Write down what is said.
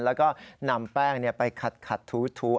แล้วก็นำแป้งไปขัดถู